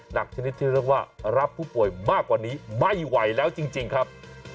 ชนิดที่เรียกว่ารับผู้ป่วยมากกว่านี้ไม่ไหวแล้วจริงครับ